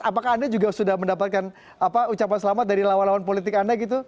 apakah anda juga sudah mendapatkan ucapan selamat dari lawan lawan politik anda gitu